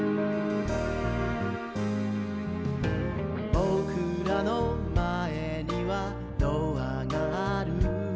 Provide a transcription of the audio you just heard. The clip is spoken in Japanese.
「ぼくらのまえにはドアがある」